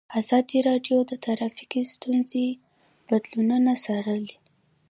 ازادي راډیو د ټرافیکي ستونزې بدلونونه څارلي.